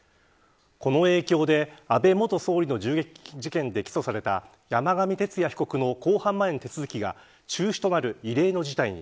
この影響で、安倍元総理の銃撃事件で起訴された山上徹也被告の公判前の手続きが中止となる異例の事態に。